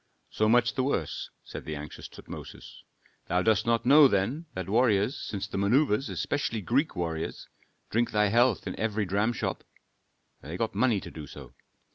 "So much the worse," said the anxious Tutmosis. "Thou dost not know, then, that warriors, since the manœuvres, especially Greek warriors, drink thy health in every dramshop." "They got money to do so."